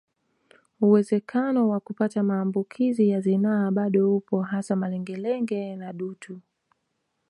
Uwezekano wa kupata maambukizi ya zinaa bado upo hasa malengelenge na dutu